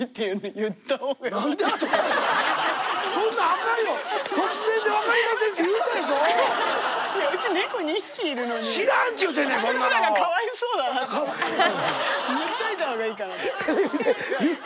言っといたほうがいいかなと。